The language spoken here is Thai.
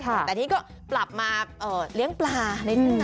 แต่นี่ก็ปรับมาเลี้ยงปลาในชื่นน้ำ